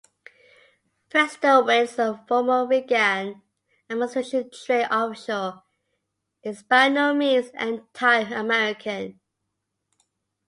Prestowitz, a former Reagan Administration trade official, is by no means anti-American.